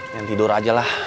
yang tidur aja lah